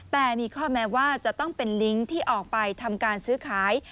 แต่มีข้อแม้ว่าจะต้องเป็นลิงก์ที่ออกไปทำการซื้อขาย